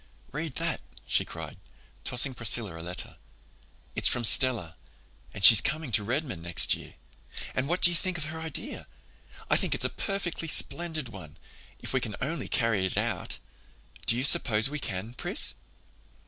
"Read that," she cried, tossing Priscilla a letter. "It's from Stella—and she's coming to Redmond next year—and what do you think of her idea? I think it's a perfectly splendid one, if we can only carry it out. Do you suppose we can, Pris?"